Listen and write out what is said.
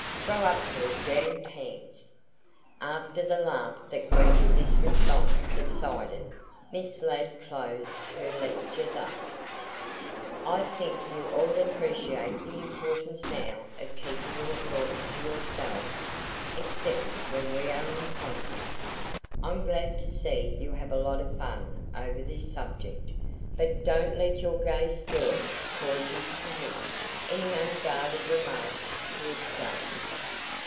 Throw up your jammed hands!'" After the laugh that greeted this response subsided, Miss Ladd closed her lecture thus: "I think you all appreciate the importance now of keeping your thoughts to yourselves except when we are in conference. I'm glad to see you have a lot of fun over this subject, but don't let your gay spirits cause you to permit any unguarded remarks to escape."